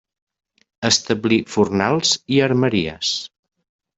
Establí fornals i armeries.